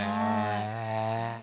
へえ。